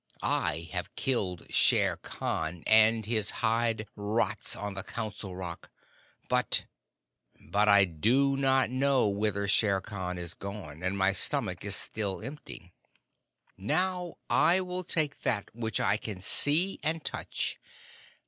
I have killed Shere Khan, and his hide rots on the Council Rock; but but I do not know whither Shere Khan is gone, and my stomach is still empty. Now I will take that which I can see and touch.